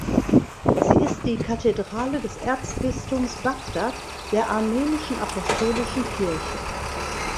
Sie ist die Kathedrale des Erzbistums Bagdad der Armenischen Apostolischen Kirche.